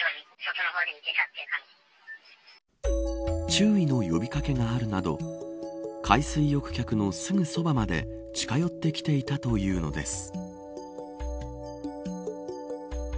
注意の呼び掛けがあるなど海水浴客のすぐそばまで近寄ってきていたというのです。